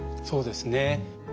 そうですね。